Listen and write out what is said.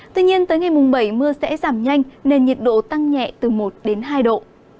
tuy nhiên tới ngày mùng bảy mưa sẽ giảm nhanh nên nhiệt độ tăng nhẹ từ một đến hai độ